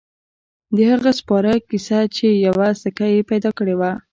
د هغه سپاره کیسه چې یوه سکه يې پیدا کړې وه.